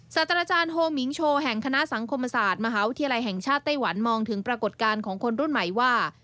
สัตว์อาจารย์โฮมิงโชว์แห่งคณะสังคมศาสตร์มหาวิทยาลัยแห่งชาติไต้หวันมองถึงปรากฏการณ์ของคนรุ่นใหม่ว่า